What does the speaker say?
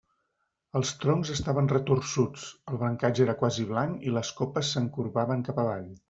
Els troncs estaven retorçuts; el brancatge era quasi blanc i les copes s'encorbaven cap avall.